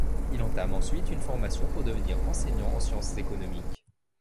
Il entame ensuite une formation pour devenir enseignant en sciences économiques.